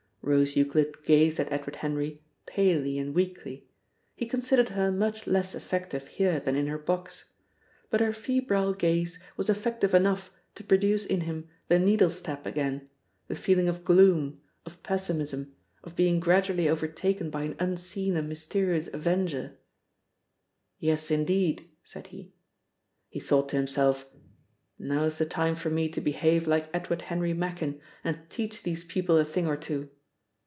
Rose Euclid gazed at Edward Henry palely and weakly. He considered her much less effective here than in her box. But her febrile gaze was effective enough to produce in him the needle stab again, the feeling of gloom, of pessimism, of being gradually overtaken by an unseen and mysterious avenger. "Yes, indeed!" said he. He thought to himself: "Now's the time for me to behave like Edward Henry Machin, and teach these people a thing or two!"